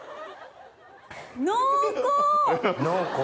濃厚？